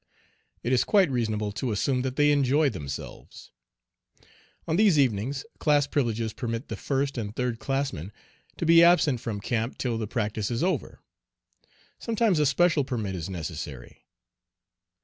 It is quite reasonable to assume that they enjoy themselves. On these evenings "class privileges" permit the first and third classmen to be absent from camp till the practice is over. Sometimes a special permit is necessary.